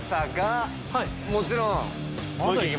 もちろん。